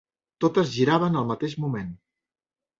Totes giràvem al mateix moment.